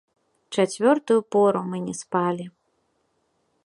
Чацвёртую пору мы не спалі.